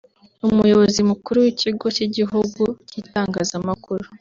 Umuyobozi Mukuru w’Ikigo cy’Igihugu cy’Itangazamakuru